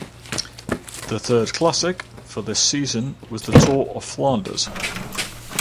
The third classic for this season was the Tour of Flanders.